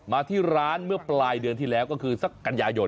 มาที่ร้านเมื่อปลายเดือนที่แล้วก็คือสักกันยายน